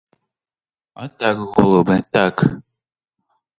А так, голубе, так!